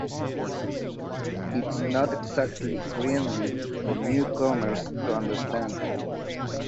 it's not exactly friendly for newcomers to understand